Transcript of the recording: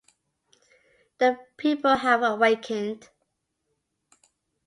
The people have awakened.